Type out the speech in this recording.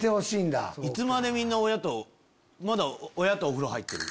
いつまでみんな親とまだ親とお風呂入ってる？